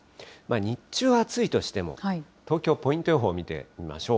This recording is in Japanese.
日中は暑いとしても、東京、ポイント予報見てみましょう。